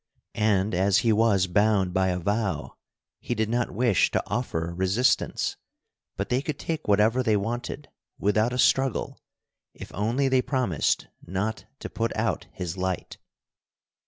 And as he was bound by a vow, he did not wish to offer resistance, but they could take whatever they wanted, without a struggle, if only they promised not to put out his light.